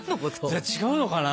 じゃあ違うのかな。